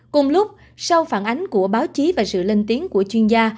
cùng lúc sau phản ánh của báo chí và sự lên tiếng của chuyên gia